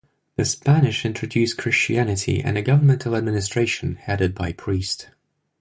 The Spanish introduced Christianity and a governmental administration headed by priest.